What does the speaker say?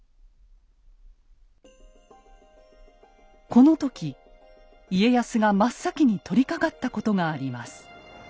この時家康が真っ先に取りかかったことがあります。